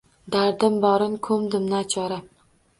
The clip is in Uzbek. Dardim borin koʼmdim nachora.